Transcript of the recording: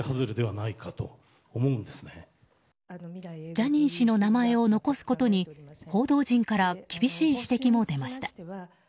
ジャニー氏の名前を残すことに報道陣から厳しい指摘も出ました。